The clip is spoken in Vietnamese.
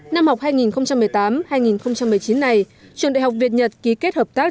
năm học hai nghìn một mươi tám hai nghìn một mươi chín này trường đại học việt nhật ký kết hợp tác